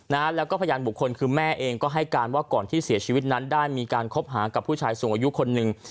นะฮะแล้วก็พยานบุคคลคือแม่เองก็ให้การว่าก่อนที่เสียชีวิตนั้นได้มีการคบหากับผู้ชายสูงอายุคนหนึ่ง